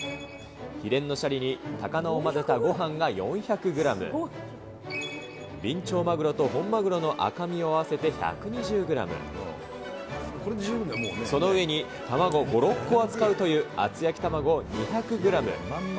秘伝のシャリに高菜を交ぜたごはんが４００グラム、ビンチョウマグロと本マグロの赤身を合わせて１２０グラム、その上に卵５、６個は使うという厚焼き玉子２００グラム。